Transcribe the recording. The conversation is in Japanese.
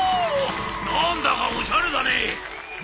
「何だかおしゃれだね。